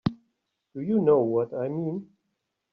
Do you know what I mean?